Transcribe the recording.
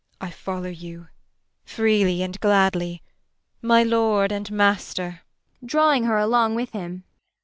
] I follow you, freely and gladly, my lord and master! PROFESSOR RUBEK. [Drawing her along with him.